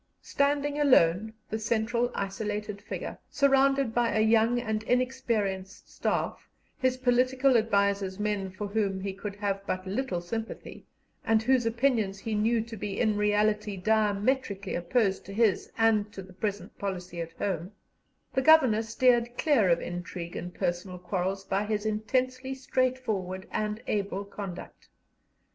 Standing alone, the central isolated figure, surrounded by a young and inexperienced staff, his political advisers men for whom he could have but little sympathy, and whose opinions he knew to be in reality diametrically opposed to his and to the present policy at home, the Governor steered clear of intrigue and personal quarrels by his intensely straightforward and able conduct.